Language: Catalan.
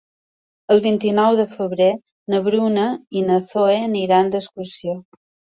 El vint-i-nou de febrer na Bruna i na Zoè aniran d'excursió.